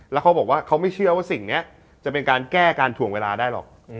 แล้วเขาบอกว่าเขาไม่เชื่อว่าสิ่งนี้จะเป็นการแก้การถ่วงเวลาได้หรอก